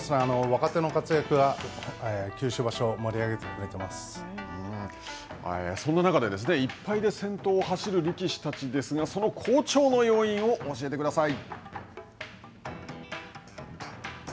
若手の活躍が九州場所をそんな中で１敗で先頭を走る力士たちですが、その好調の要因を教えてください。